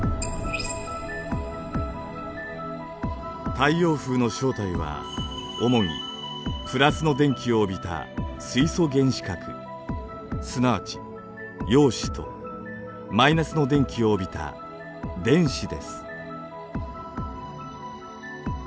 太陽風の正体は主にプラスの電気を帯びた水素原子核すなわち陽子とマイナスの電気を帯びた電子です。